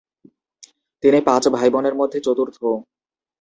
তিনি পাঁচ ভাইবোনের মধ্যে চতুর্থ।